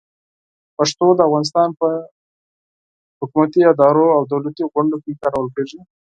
پښتو د افغانستان په حکومتي ادارو او دولتي غونډو کې کارول کېږي.